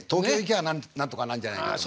あなんとかなんじゃないかと思って。